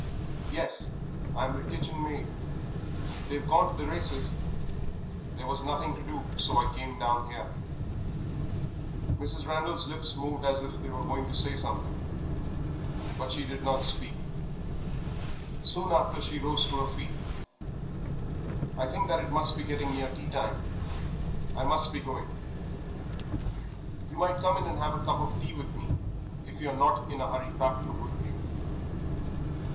"Yes, I'm the kitchen maid. They've gone to the races; there was nothing to do, so I came down here." Mrs. Randal's lips moved as if she were going to say something. But she did not speak. Soon after she rose to her feet. "I think that it must be getting near tea time; I must be going. You might come in and have a cup of tea with me, if you're not in a hurry back to Woodview."